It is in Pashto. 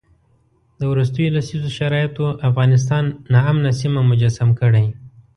د وروستیو لسیزو شرایطو افغانستان ناامنه سیمه مجسم کړی.